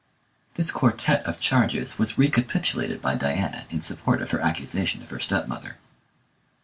This quartette of charges was recapitulated by Diana in support of her accusation of her stepmother.